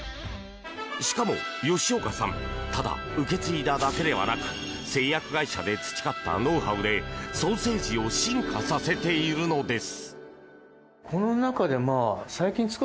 しかも吉岡さんただ受け継いだだけではなく製薬会社で培ったノウハウでソーセージを進化させているのです。